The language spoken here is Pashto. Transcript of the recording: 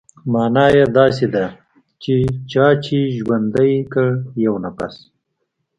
مانا يې داسې ده چې چا چې ژوندى کړ يو نفس.